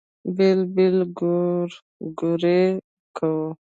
بېل بېل ګورګورې کوو.